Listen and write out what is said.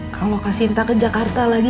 kalau kasinta ke jakarta lagi